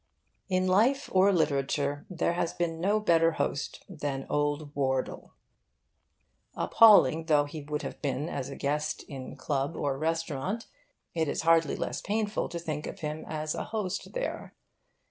In life or literature there has been no better host than Old Wardle. Appalling though he would have been as a guest in club or restaurant, it is hardly less painful to think of him as a host there.